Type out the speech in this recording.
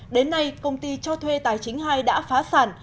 đến nay công ty cho thuê tài chính hai đã phá sản